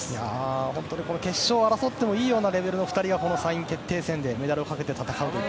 本当に決勝を争ってもいいような２人がこの３位決定戦でメダルをかけて戦う。